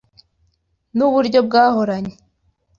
Nuburyo bwahoranye.